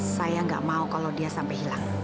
saya nggak mau kalau dia sampai hilang